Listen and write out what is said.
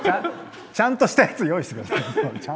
ちゃんとしたやつ用意してください。